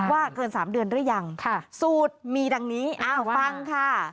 เกิน๓เดือนหรือยังสูตรมีดังนี้ฟังค่ะ